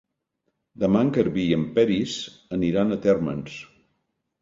Demà en Garbí i en Peris aniran a Térmens.